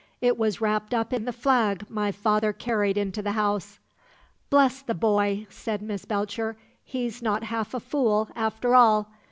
It was wrapped up in the flag my father carried into the house." "Bless the boy," said Miss Belcher; "he's not half a fool, after all!